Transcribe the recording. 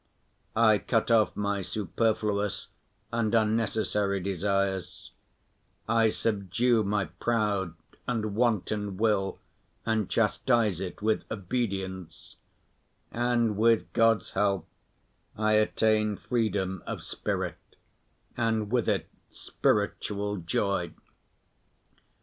I cut off my superfluous and unnecessary desires, I subdue my proud and wanton will and chastise it with obedience, and with God's help I attain freedom of spirit and with it spiritual joy.